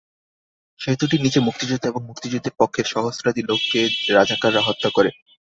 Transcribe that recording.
সেতুটির নিচে মুক্তিযোদ্ধা এবং মুক্তিযুদ্ধের পক্ষের সহস্রাধিক লোককে রাজাকাররা হত্যা করে।